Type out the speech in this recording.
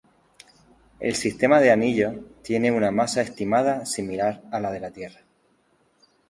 El sistema de anillos tiene una masa estimada similar a la de la Tierra.